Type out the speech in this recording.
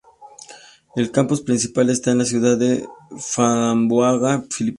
El campus principal está en la ciudad de Zamboanga, Filipinas.